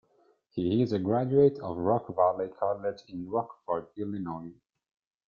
He is a graduate of Rock Valley College in Rockford, Illinois.